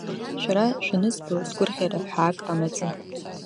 Шәара шәанызбо сгәырӷьара ҳәаак амаӡам!